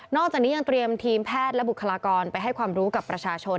จากนี้ยังเตรียมทีมแพทย์และบุคลากรไปให้ความรู้กับประชาชน